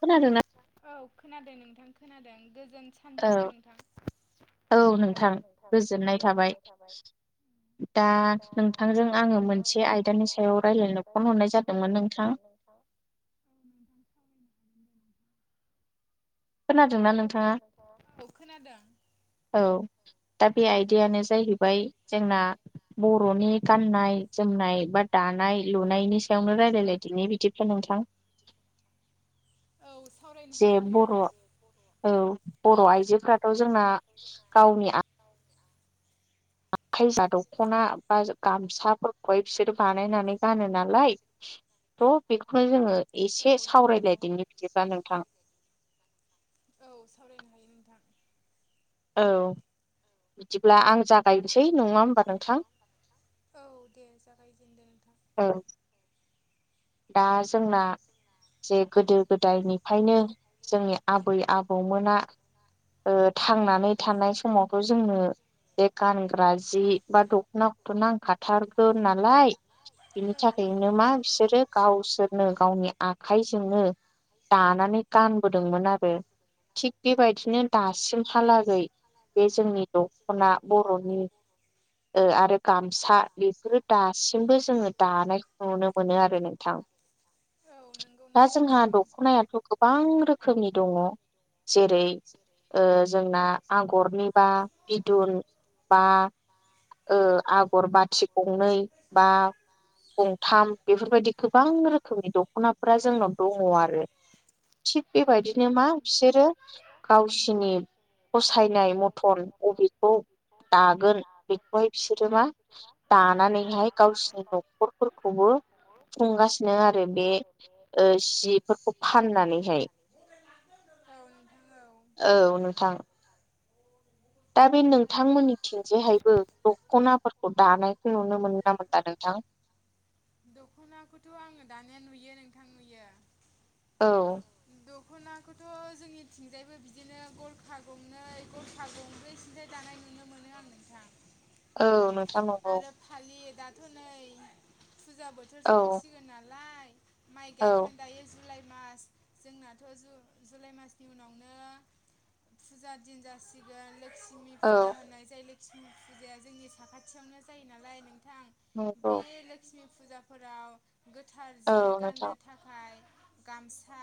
खोनादों ना? औ खोनादों नोंथां खोनादों गोजोन सा सानजोबफु नोंथां औ नोंथां गोजोननाय थाबाय। दा नोंथांजों आङो मोनसे आयदानि सायाव रायजल्लायनोखौ हरनाय जादोंमोन नोंथां। [unintelligible] उ खोनादोंना नोंथांङा औ खोनादों। औ दा बे आयदायानो जाहैबाय जोंना बर'नि गाननाय जोमनाय बा दानाय लुनायनि यावनो रायलायलायदिनि बिदिफ्रा नोंथां। औ सावरायनो हायो नोंथां बर' औ बर' आइजोफोराथ' जोंना गावनि [inaudible] आखाइजों [unintelligible] दख'ना बा गामसाफोर - गहाय बिसोरो बानायनानै गानो नालाय थ' बेखौनो जोङो एसे सावरायलायदोंनि बिदिबा नोंथां। औ सावरायनो हायो नोंथां। औ बिदिब्ला आं जागायनोसै नङा होमबा नोंथां। औ दे जागायजेनदो नोंथां। औ। दा जोंना जे गोदो गोदायनिफायनो जोंनि आबै आबौमोना ओ थांनानै थानाय समावथ' जोंनो बे गानग्रा जि बा दख'नाखौथ' नांखाथारगो नालाय बिनि थाखायनो मा बिसोरो बिसोरनो गावनि आखाइजोंनो दानानै गानबोदोंमोन आरो। थिग बेबायदिनो दासिमहालागै बे जोंनि दख'ना बर'नि ओ आरो बेफोरो दासिमबो जोङो दानायखौ नुनो मोनो नों था दा जोंहा दख'नायाथ' गोबां रोखोमनि दङ जेरै ओ जोंना आगरनिबा बिदुन बा ओ आगर बाथि गंनै बा गंथाम बेफोरबायदिख गोबां रोखोमनि दख'नाफ्रा जोंनाव दङ आरो। थिग बेबायदिनो मा बिसोरो गावसिनि फसायनाय मथ फन अबबेखौ दागोन बेखौहाय बिसोरो मा दानानैहाय गावसिनि न'खरफोरखौबो खुंगासिनो आरो बे ओ सिफोरखौ फाननानैहाय औ नोंथां। दा बे नोंथांमोननि थिंजोंहायबो दख'नाफोरखौ दानायखौ नुनो मोनोना मोनला नोंथां। खनाखौथ आङो दानिया नुयो नोंथां नुयो। औ। दख'नाखौथ' जोंनिथिंजायबो बिदिनो गरखा गंनै गरखा गंब्रै सिनथाय दानाय नुनो मोनो आं नोंथां। औ नोंथां नगौ। थालिर दाथ' नै फुजा बोथोर सफैसिगोन नालाय। माइ गायखां दायो जि जुलाइ मास जोंनाथ' जु जुलाइ मासनि उनावनो फुजा दिन जासिगोन लोक्षिमि फुजा होनाय जाय लोक्षिमि फुजाया जोंनि साखाथ खाथियावनो जायो नालाय नोंथां बे लोक्ष्मि फुजाफोराव गोथार जि गाननो थाखाय गामसा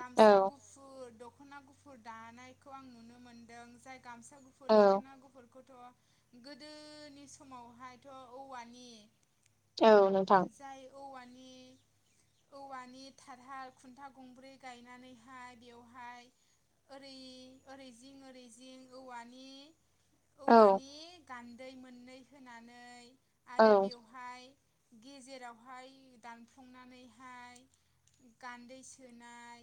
गामसा गुफु गुफुर दख'ना गुफुर दानायखौ आं नुनो मोन्दों जाय गामसा गुफ गुफुर दख'ना गुफुरखौथ' गोदोनि समावहायथ' औवानि जाय औवानि औवानि थारहाखुन्था गंब्रै गायनानैहाय बेवहाय ओरै ओरै जिं ओरै जिं औवानि औवानि गान्दै मोननै होनानै आरो बेवहाय गेजेरावहाय दानफ्लं नानैहाय गान्दै सोनाय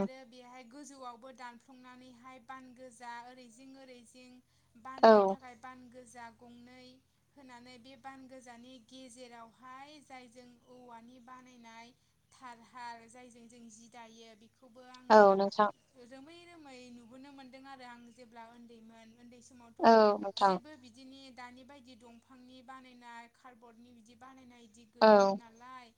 आरो बेहाय गोजौआवबो दानफ्लंनानैहाय बान गोजा ओरै जिं ओरै जिं बाननो थाखाय बान गोजा गंनै होनानै बे बान गोजानि गेजेरावहाय जायजों औवानि बानायनाय थार हार जायजों जों जि दायो बे खौबो आङो रोमै - रोमै नुबोनो मोन्दों आरो आं जेब्ला उन्दैमोन उन्दै समावथ' जेबो बिदिनो दानि बायदि दंफांनि बानायनाय खारबतनि बिदि बानायनाय बिदि गैयामोन नालाय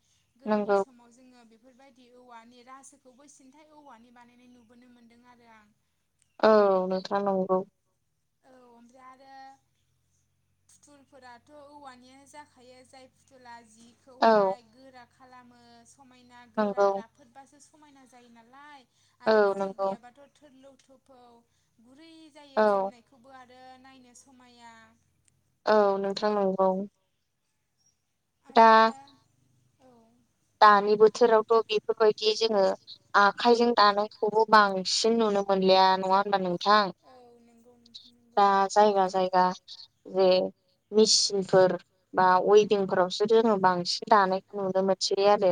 गोदोनि समावजोङो बे बेफोरबायदि औवानि रासोखौबोै सिन्थायाइ औवानि बानायनाय नुबोनो मोन्दों आरो आं। औ नोंथाङा नंगौ। औ ओमफ्राय आरो फुथुलफोराथ' औवानिया जाखायो जाय फुथुला जि खौहाय गोरा खालामो समायना गोरा राफो फोदबासो समायना जायो नालाय आरो फुथुल गैयाबाथ' थोरलौ थोरफौ गुरै जायो जोमनायखौबो आरो नायनो समाया औ नोंथां नंगौ। आरो औ। दानि बोथोरावथ' बेफोरबायदि जोङो आखायजों दानायखौबो बां सिन नुनो मोनलिया नङा होनोमबा नोंथां। औ नंगौ नोंथां नोंगौ। जे मेचिनफोर बा वयफिंफोरावसो जोङो बांसिन दानायखौ नुनो मोनो बे आरो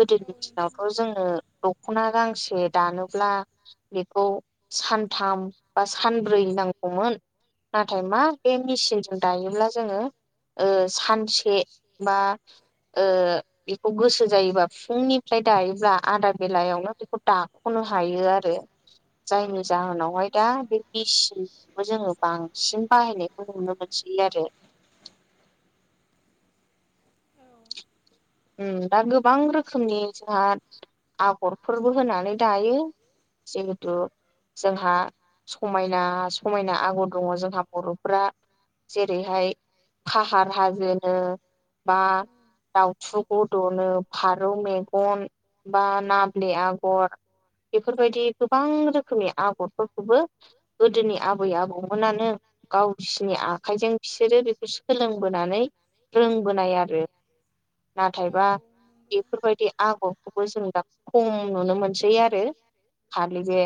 गोदोनि दिनावथ' जोङो दख'ना गांसे दानोब्ला बेखौ सानथाम बा सानब्रै नांगौमोन नाथाय मा बे मेसिनजों दायोब्ला जोङो ओ‌ सानसे बा ओ बेखौ गोसो जायोबा फुंनिफ्राय दायोब्ला आदा बेलायावनो बेखौ दाख'नो हायो आरो। जायनि जाहोनावहाय दा बे बिसिनखौ जोङो बांसिन बाहायनायखौ नुनो मोनो मोनसिनो आरो औ। उम दा गोबां रोखोमनि जोंहा आगरफोरबो होनानै दायो। जेहेथु जोंहा समायना - समायना आगर दङ जोंहा बर'फोरा जेरैहाय फाहार हाजोनो बा थु गद'नो, फारौ मेगन, बा नाब्ले आगर बेफोरबायदि गोबां रोखोमनि आगरफोरखौबो गोदोनि आबै - आबौमोनानो गावसिनि आखाइजों बिसोरो बेखौ सोलोंबोनानै रोंबोनाय आरो। नाथायबा बेफोरबायदि आगरखौबो जों दा खम नुनो मोनसै आरो। खालि बे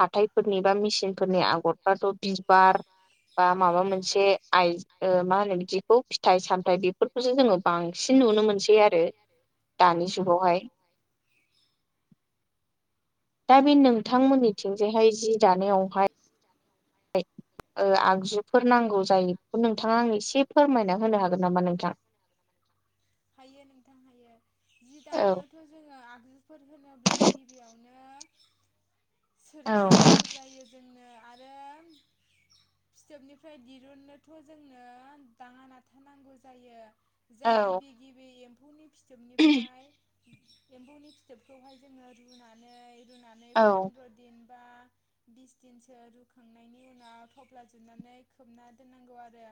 हाथायफोरनि बा मेसेनफोरनि आगरफ्राथ' बिबार बा माबा मोनसे आइ ओ मा होनो बिदिखौ फिथाइ सामथायाइ बेफोरखौसो जोङो बांसिन एसिन नुनो मोनसै आरो दानि जुगावहाय दा बे नोंथां मोननिथिं जाय हाय जि दानायावहाय ओ‌ आगजुफोर नांगौ जायो बेखौ नोंथाङा आंनो एसे फोरमायना होनो हागोन नामा नोंथां। हायो नोंथां हायो जि दानायाव जोङो आगजुफोर होनोब्ला गिबियावनो सोरखिनांगौ जायो जोंनो आरो फिथोबनिफ्राय दिरुननोथ' जोंनो दाङा नाथा नांगौ जायो। जाय गिबि - गिबि एम्फौनि फिथोबनिफ्राय एमफौनि फिथोबखौहाय जोङो रुनानै रुनानै फन्द्र' दिन बा बिस दिनसो रुखांनायनि उनाव थफ्ला जुनानै खोबना दोननांगौ आरो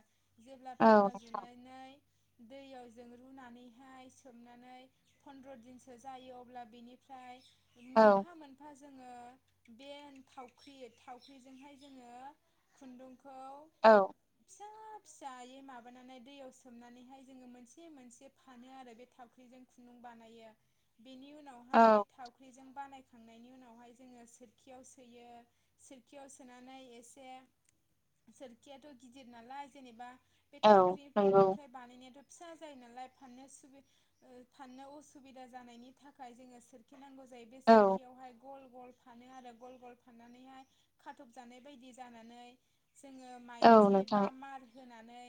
जेब्ला थफ्ला जुनानै दैयाव जोङो रुनानैहाय सोबनानै फनन्द्र' दिनसो जायो अब्ला बिनिफ्राय मोनफा मोनफा जोङो बे थावख्रि थावख्रिजोंहाय जोङो खुन्दुंखौ औ फिसा फिसायै माबानानै दैयाव सोमनानैहाय जोङो मोनसे मोनसे मोनसे फानो आरो बे थावख्रिजों खुन्दुं बानायो बेनि उनावहाय बे थाव ख्रिजों बानायखांनायनि उनावहाय जोङो सोरखियाव सोयो सोरखियाव सोनानै एसे सोरखियाथ' गिदिर नालाय जेनेबा बे थावख्रिफोरनिफ्राय बानायनायाथ' फिसा जायो नालाय फाननो सुबि- ओ फाननो असुबिदा जानायनि थाखाय जोङो सोर खि नांगौ जायो बे सोरखियावहाय गल गल फानो आरो गल गल फाननानैहाय खाथब जानाय बायदि जानानै जोङो मायदि बा मार होनानै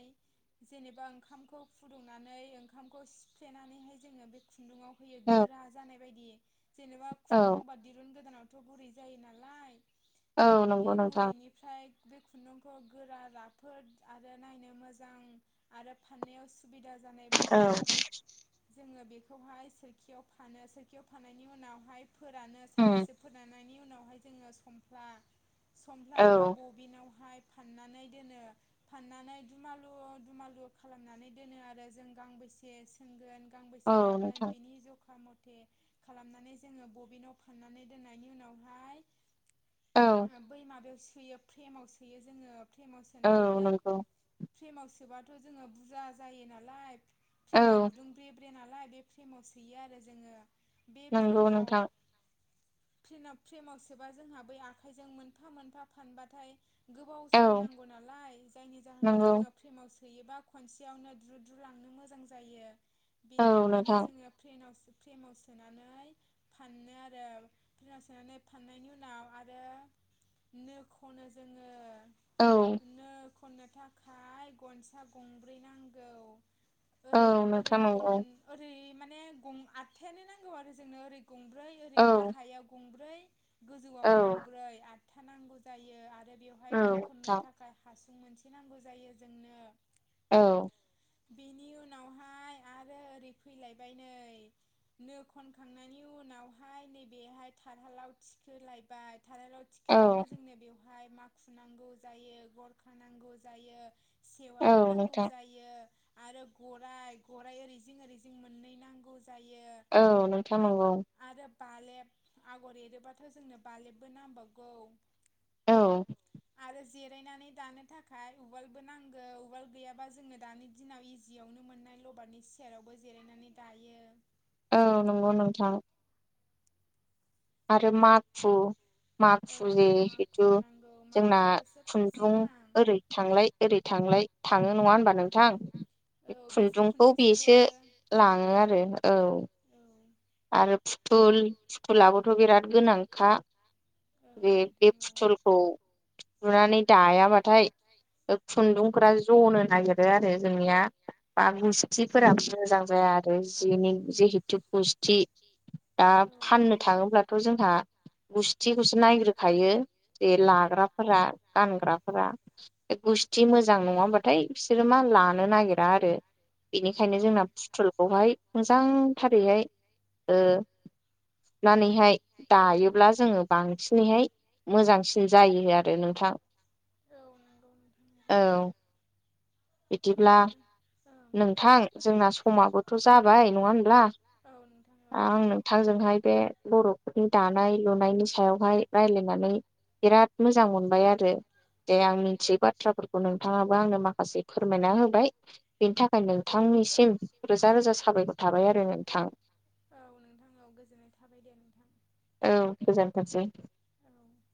जेनेबा ओंखामखौ फु फुदुंनानै ओंखामखौ सिफ्लेनानैहाय जोङो बे खुन्दुाव होयो गोरा जानाय बायदि जेनेबा खुन्दुं बा दिरुन गोदानावथ' गुरै जायो नालाय बे गुरैनि ओमफ्राय बे खुन्दुंखौ गोरा राफोद आरो नायनो मोजां आरो फाननायाव सुबिदा जानायबादि जोङो बेखौहाय सोरखियाव फानो सोरखियाव फाननायनि उनावहाय फोरानो। साननैसो फोरोननि उनावहाय जोङो समफ्ला समफ्ला एबा ब बिनाव हाय फाननानै दोनो फाननानै दुमालु दुमालु खालामनै दोनो आरो जों गांबेसे सोंगोन गांबेसे दागोन बिनि जखा मथे खालामनानै जोङो बबिनाव फाननानै दोननायनि उनावहाय बै माबायाव सोयो फ्रेमाव सोयो जोङो फ्रेमाव सोनानै फ्रेमाव सोबाथ' जोङो बुरजा जायो नालाय फ्रेमा गुदुं ब्रे ब्रे नालाय बे फ्रेमाव सोयो आरो जोङो बे फ्रेमाव फ्रेमाव फ्रेमाव सोबा जोंहा बै आखाइजों मोनफा मोनफा फानबाथाय गोबाव सम नांगौ नालाय जायनि जाहोनाव जोङो फ्रेमाव सोयोबा खनसे सियावनो द्रु द्रुलांनो मोजां जायो बेनि थाखायनो जोङो फ्रेनाव सो फ्रेमाव सोनानै फानो आरो फ्रेमाव सोनानै फाननायनि उनाव आरो नो खनो जोङो। नो खन्नो थाखाय गनसा गंब्रै नांगौ। ओरै ओरै गं ओरै माने गं आठथायानो नांगौ आरो जोंनो ओरै गंब्रै ओरै गाहायाव गंब्रै गोजौआव गंब्रै आथ फिथानांगौ जायो आरो बेवहाय नो खननो थाखाय हासुं मोनसे नांगौ जायो जोंनो। औ बेनि उनावहाय आरो ओरै फैलायबाय नै नो खनखांनायनि उनावहाय नैबेहाय थारहालाव थि थिखो लायबाय थालालाव थिखोबाबो जोंनो बेव हाय माखु नांगौ जायो गरखा नांगौ जायो सेवारि नांगौ जायो आरो गराय गराइ ओरैजिं ओरैजिं मोननै नांगौ जायो। औ नोंथां नंगौ। आरो बालेब आगर एरोबाथ' जोंनो बालेबबो नांबावगौ। आरो जिरायनानै दानो थाखाय उवालबो नांगौ उवाल गैया बा जोंङो दानि दिनाव इजियावनो मोननाय लबारनि सियारावबो जिरायनानै दायो। औ नंगौ नोंथां आरो मा खु माखु जेहुथु जोंना खुन्दुं ओरै थांलाय ओरै थांलाय थाङो नङा होनबा नों थां बे खुन्दुंखौ बेसो लाङो आरो औ आरो फुथुल फुथुलाबोथ' बिराद गोनांखा बे बे फुथलखौ थुनानै दायाबाथाय खुन्दुंफ्रा जनो आरो जोंनिया बागुसथि फोराबो मोजां जाया आरो जिनि जिहेथु गुसथि थि दा फाननो थाङोब्लाथ' जोंहा गुस्थिखौसो नायग्रोखायो जे लाग्राफोरा। गानग्राफोरा गुस थि मोजां नङा होमबाथाय बिसोरो मा लानो नागिरा आरो बेनिखायनो जोंना फटुलखौहाय मोजांथारैहाय ओ थुनानैहाय दायोब्ला जोंङो बांसिनैहाय मोजांसिन जायो आरो नोंथां। औ औ होमबा नोंथां जोंना समाबोथ' जाबाय नङा होनब्ला आंनो बिथांजोंहाय बे बर'फोरनि दानाय लुनायनि सायावहाय रायलायनानै बिराद मोजां मोनबाय आरो दे आं मिथियै बाथ्राफोरखौ नों थाङाबो आंनो माखासे फोरमायना होबाय बेनि थाखाय नोंथांनिसिम रोजा रोजा साबायखर थाबाय आरो नोंथां। औ नोंथां औ गोजोननाय थाबाय दे नोंथां। औ गोजोनथोंसै। औ